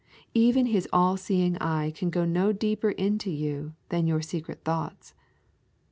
Even His all seeing eye can go no deeper into you than to your secret thoughts.